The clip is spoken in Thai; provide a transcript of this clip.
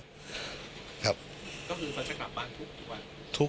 ก็คือฝันจะขับบ้านทุกวัน